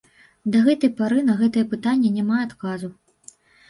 Да гэтай пары на гэтае пытанне няма адказу.